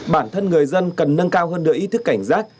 bản thân người dân cần nâng cao hơn nữa ý thức cảnh giác